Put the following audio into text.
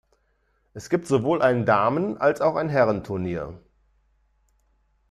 Es gibt sowohl ein Damen- als auch ein Herrenturnier.